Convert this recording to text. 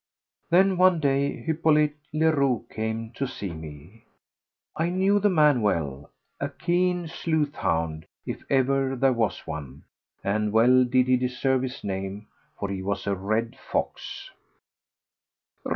Then one day Hypolite Leroux came to see me. I knew the man well—a keen sleuthhound if ever there was one—and well did he deserve his name, for he was as red as a fox.